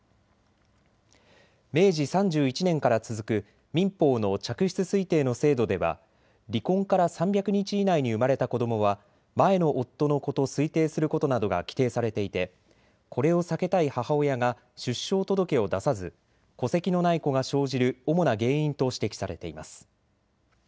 明治３１年から続く民法の嫡出推定の制度では離婚から３００日以内に生まれた子どもは前の夫の子と推定することなどが規定されていて、これを避けたい母親が出生届を出さず戸籍のない子が生じる主な原因と指摘されています。